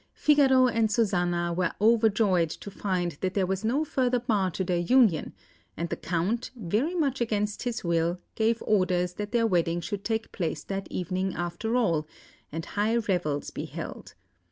Figaro and Susanna were overjoyed to find that there was no further bar to their union; and the Count, very much against his will, gave orders that their wedding should take place that evening after all, and high revels be held.